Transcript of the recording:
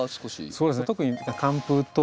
そうですね。